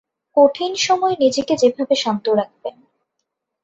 কঠিন সময়ে নিজেকে যেভাবে শান্ত রাখবেন